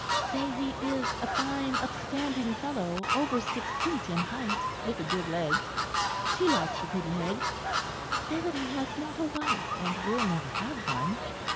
Say he is a fine upstanding fellow, over six feet in height, with a good leg. She likes a good leg. Say that he has not a wife, and will never have one.